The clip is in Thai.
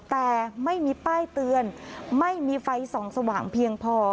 แต่ไม่มีป้ายเตือนไม่มีไฟส่องสว่างเพียงพอ